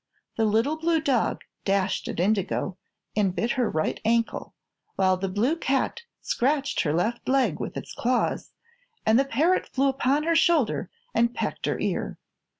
The little blue dog dashed at Indigo and bit her right ankle, while the blue cat scratched her left leg with its claws and the parrot flew upon her shoulder and pecked her ear.